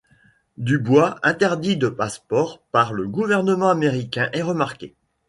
Du Bois, interdit de passeport par le gouvernement américain, est remarquée.